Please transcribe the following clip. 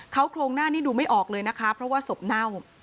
เขาโครงหน้านี่ดูไม่ออกเลยนะคะเพราะว่าศพเน่า